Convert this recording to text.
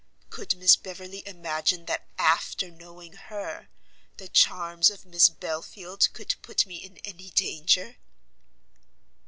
Could Miss Beverley imagine that after knowing her, the charms of Miss Belfield could put me in any danger?"